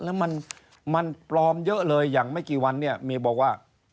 แล้วมันปลอมเยอะเลยอย่างไม่กี่วันเนี่ยเมย์บอกว่า